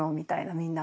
みんな。